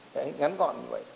đấy ngắn gọn như vậy